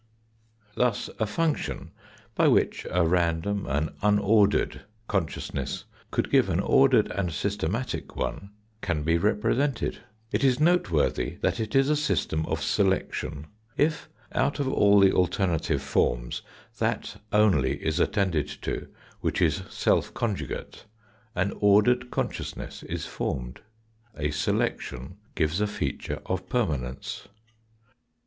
Thus, a function, by which a random, an unordered, con sciousness could give an ordered and systematic one, can be represented. It is noteworthy that it is a system of selection. If out of all the alternative forms that only is attended to which is self conjugate, an ordered conscious ness is formed. A selection gives a feature of permanence.